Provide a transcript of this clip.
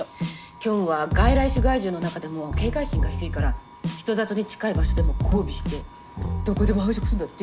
キョンは外来種害獣の中でも警戒心が低いから人里に近い場所でも交尾してどこでも繁殖するんだって。